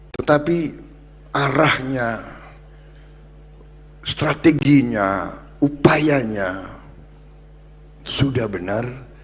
tetapi arahnya strateginya upayanya sudah benar